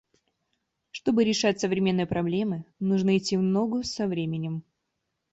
Чтобы решать современные проблемы, нужно идти в ногу со временем.